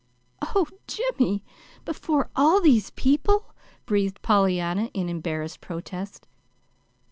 "Oh, Jimmy, before all these people!" breathed Pollyanna in embarrassed protest.